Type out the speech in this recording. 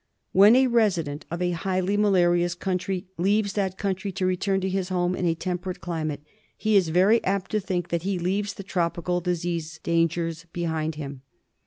When a resident of a highly malarious country leaves that country to return to his home in a tem perate climate, he is very apt to think that he leaves the tropical disease dangers behind him.